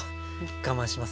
我慢します。